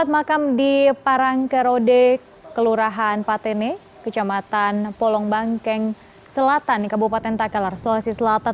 empat makam di parangkerode kelurahan patene kecamatan polong bangkeng selatan kabupaten takalar sulawesi selatan